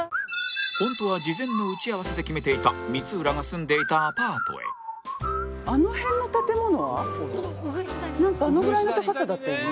本当は事前の打ち合わせで決めていた光浦が住んでいたアパートへなんかあのぐらいの高さだったよね。